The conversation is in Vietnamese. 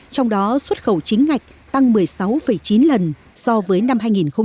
trong đó xuất khẩu chính ngạch tăng một mươi sáu chín lần so với năm hai nghìn một mươi